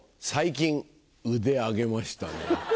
最近腕上げましたね。